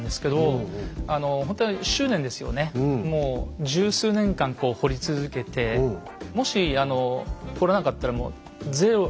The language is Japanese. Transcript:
もう十数年間掘り続けてもし掘らなかったらゼロ。